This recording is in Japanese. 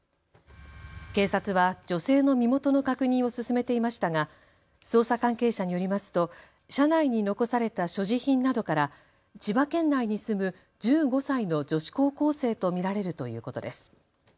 警察は女性の身元の確認を進めていましたが捜査関係者によりますと車内に残された所持品などから千葉県内に住む１５歳の女子高校生と見られるということです。